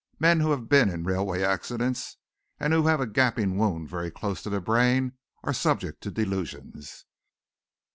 Men who have been in railway accidents, and who have a gaping wound very close to their brain, are subject to delusions.